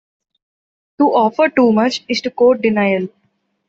To offer too much, is to court denial.